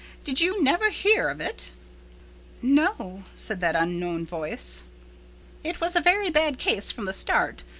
Did you never hear of it?" "No," said that unknown voice. "It was a very bad case from the start.